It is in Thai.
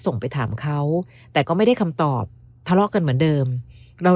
ส่งไปถามเขาแต่ก็ไม่ได้คำตอบทะเลาะกันเหมือนเดิมเรา